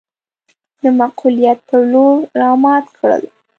د معقوليت پر لور رامات کړل.